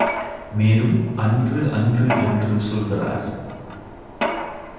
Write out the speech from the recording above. மேலும் அன்று அன்று என்று சொல்கிறார்.